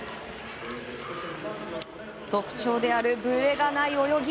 特徴である、ブレがない泳ぎ。